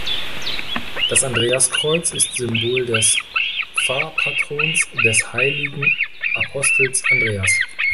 Das Andreaskreuz ist Symbol des Pfarrpatrons, des Heiligen Apostels Andreas.